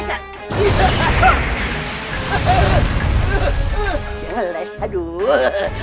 jangan lele aduh